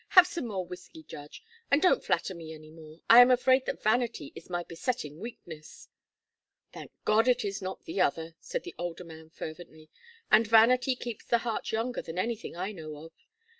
"Have some more whiskey, judge. And don't flatter me any more. I am afraid that vanity is my besetting weakness " "Thank God it is not the other!" said the older man, fervently. "And vanity keeps the heart younger than anything I know of.